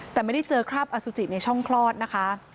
แต่ไม่ได้เจอคราบอสุจิในช่องคลอดนะคะ